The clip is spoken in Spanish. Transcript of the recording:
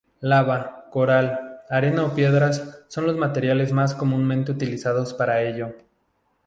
Lava, coral, arena o piedra son los materiales más comúnmente utilizados para ello.